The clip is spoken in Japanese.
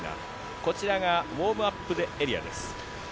こちらがウオームアップエリアです。